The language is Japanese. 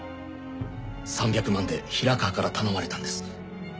３００万で平川から頼まれたんです。